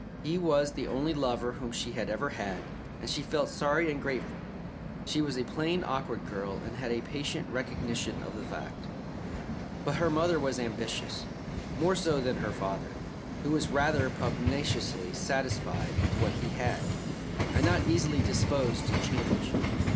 He was the only lover whom she had ever had, and she felt sorry and grateful; she was a plain, awkward girl, and had a patient recognition of the fact. But her mother was ambitious, more so than her father, who was rather pugnaciously satisfied with what he had, and not easily disposed to change.